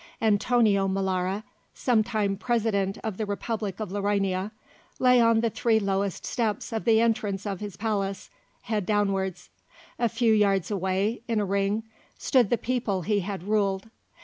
Antonio Molara, sometime President of the Republic of Laurania, lay on the three lowest steps of the entrance of his palace, head downwards; a few yards away in a ring stood the people he had ruled.